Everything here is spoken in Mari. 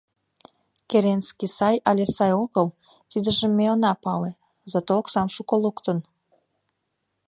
- Керенский сай але сай огыл — тидыжым ме она пале, зато оксам шуко луктын.